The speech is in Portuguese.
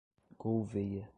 Gouvêia